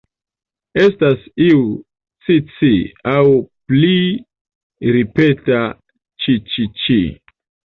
Estas iu "ci-ci" aŭ pli ripeta "ĉi-ĉi-ĉi".